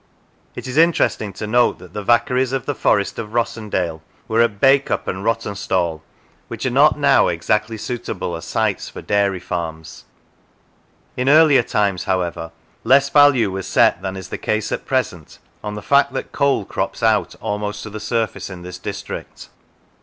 It is interesting to note that the vaccaries of the Forest of Rossendale were at Bacup and Rawtenstall, which are not now exactly suitable as sites for dairy farms. In earlier times, however, less value was set than is the case at present on the fact that coal crops out almost to the surface in this district.